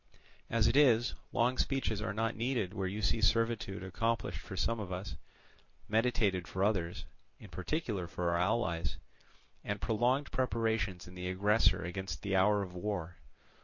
As it is, long speeches are not needed where you see servitude accomplished for some of us, meditated for others—in particular for our allies—and prolonged preparations in the aggressor against the hour of war.